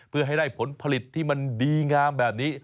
เพื่อให้ได้ผลผลิตที่มันดีงามแบบนี้